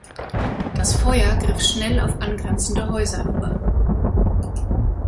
Das Feuer griff schnell auf angrenzende Häuser über.